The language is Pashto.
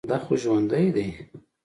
دا خو ژوندى دى.